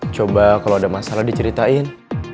coba kalau ada masalah diceritain